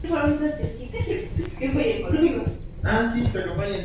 La hembra pone entre tres y seis huevos, que ponen en días consecutivos.